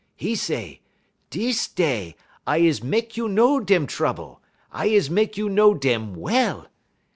'E say, 'Dis day I is mek you know dem trouble; I is mek you know dem well.'